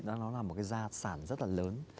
nó là một cái gia sản rất là lớn